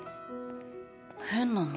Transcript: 変なの。